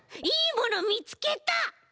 いいものみつけた！